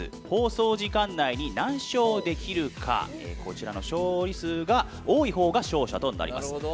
放送時間内に何勝できるかこちらの勝利数が多いほうが勝者となります。